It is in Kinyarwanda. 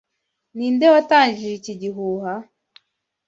Ninde watangije iki gihuha?